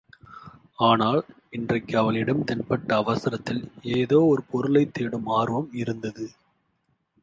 ஆனால் இன்றைக்கு அவளிடம் தென்பட்ட அவசரத்தில் ஏதோ ஒரு பொருளைத் தேடும் ஆர்வம் இருந்தது.